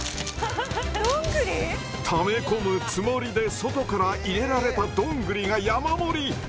ドングリ⁉ため込むつもりで外から入れられたドングリが山盛り。